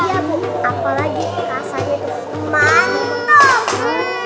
iya bu apalagi rasanya tuh mantap